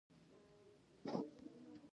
ای خانم بندر څه تاریخي ارزښت لري؟